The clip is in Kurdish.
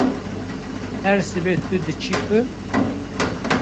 Her sibe tu diçî ku?